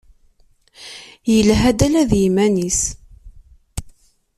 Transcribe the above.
Yelha-d ala d yiman-is.